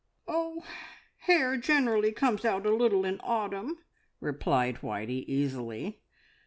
"Oh, hair generally comes out a little in autumn," replied Whitey easily.